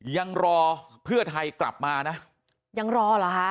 ยังรอเพื่อไทยกลับมานะยังรอเหรอคะ